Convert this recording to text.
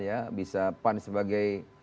ya bisa pan sebagai